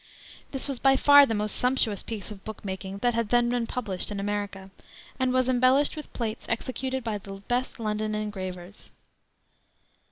This was by far the most sumptuous piece of book making that had then been published in America, and was embellished with plates executed by the best London engravers.